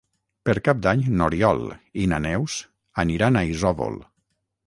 Per Cap d'Any n'Oriol i na Neus aniran a Isòvol.